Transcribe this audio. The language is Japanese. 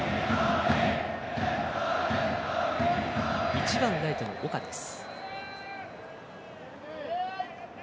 １番・ライトの岡です。